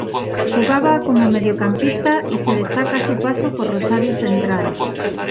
Jugaba como mediocampista y se destaca su paso por Rosario Central.